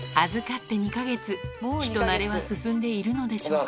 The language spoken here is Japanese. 人なれは進んでいるのでしょうか？